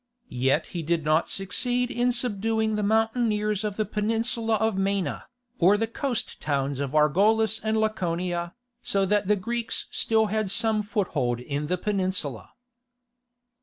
Yet he did not succeed in subduing the mountaineers of the peninsula of Maina, or the coast towns of Argolis and Laconia, so that the Greeks still had some foothold in the peninsula.